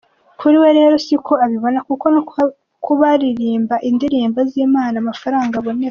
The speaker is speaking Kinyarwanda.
Kuri we rero siko abibona kuko no kubaririmba indirimbo z’Imana amafaranga aboneka.